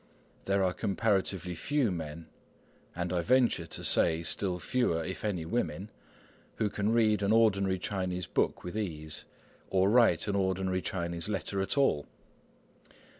There are comparatively few men, and I venture to say still fewer, if any, women, who can read an ordinary Chinese book with ease, or write an ordinary Chinese letter at all.